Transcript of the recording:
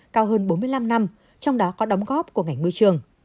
cao hơn bốn mươi năm năm trong đó có đóng góp của ngành môi trường